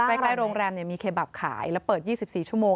ใกล้โรงแรมมีเคบับขายแล้วเปิด๒๔ชั่วโมง